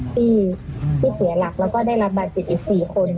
ที่ที่เสียหลักแล้วก็ได้รับบัตรจิตอีกสี่คน